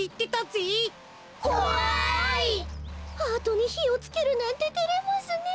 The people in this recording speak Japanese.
ハートにひをつけるなんててれますねえ。